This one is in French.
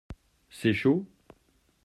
C’est chaud ?